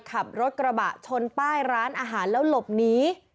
ขับรถกระบะชนป้ายร้านอาหารแล้วหลบหนี